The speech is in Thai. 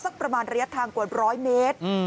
สักประมาณระยะทางกว่าร้อยเมตร